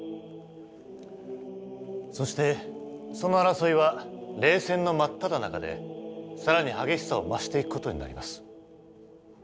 そしてその争いは冷戦の真っただ中で更に激しさを増していくことになります。